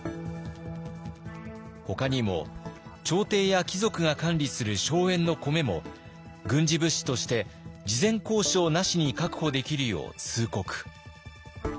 ほかにも朝廷や貴族が管理する荘園の米も軍事物資として事前交渉なしに確保できるよう通告。